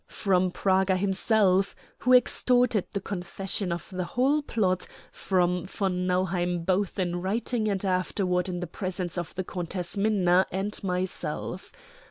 "From Praga himself, who extorted the confession of the whole plot from von Nauheim both in writing and afterward in the presence of the Countess Minna and myself.